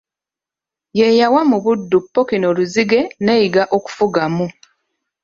Ye yawa mu Buddu Pookino Luzige ne Iga okufugamu.